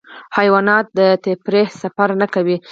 حیوانات د تفریح سفر نه کوي.